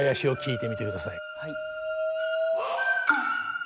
はい。